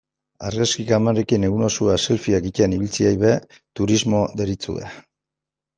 Argazki kamerekin egun osoa selfieak egiten ibiltzeari ere turismo deritzote.